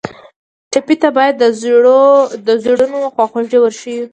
ټپي ته باید د زړونو خواخوږي ور وښیو.